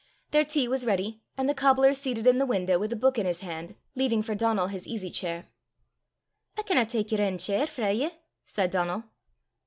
Their tea was ready, and the cobbler seated in the window with a book in his hand, leaving for Donal his easy chair. "I canna tak yer ain cheir frae ye," said Donal.